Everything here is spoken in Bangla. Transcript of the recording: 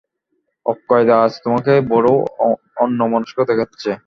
অক্ষয়দা, আজ তোমাকে বড়ো অন্যমনস্ক দেখাচ্ছে।